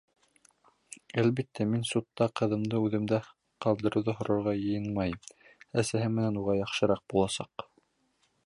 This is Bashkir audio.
Әлбиттә, мин судта ҡыҙымды үҙемдә ҡалдырыуҙы һорарға йыйынмайым, әсәһе менән уға яҡшыраҡ буласаҡ.